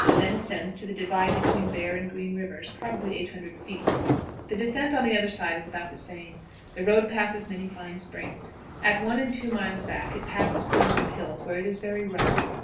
It then ascends to the divide between Bear and Green Rivers, probably 800 feet, in 1 3/5 miles. The descent on the other side is about the same. The road passes many fine springs. At one and two miles back it passes points of hills, where it is very rough.